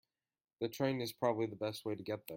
The train is probably the best way to get there.